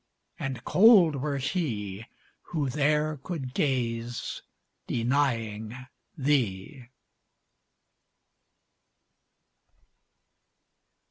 and cold were he Who there could gaze denying thee!